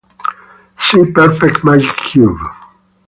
See Perfect magic cube.